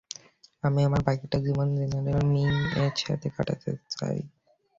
আমি আমার বাকিটা জীবন জেনারেল মিং-এর সাথে কাটাতে চাই!